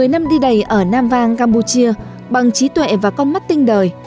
một mươi năm đi đầy ở nam vang campuchia bằng trí tuệ và con mắt tinh đời